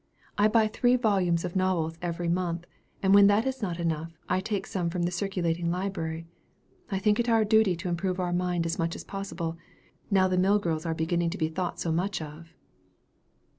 I buy three volumes of novels every month; and when that is not enough, I take some from the circulating library. I think it our duty to improve our minds as much as possible, now the mill girls are beginning to be thought so much of."